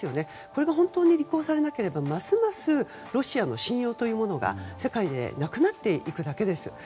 これが本当に履行されなければますますロシアの信用が世界でなくなっていくだけです。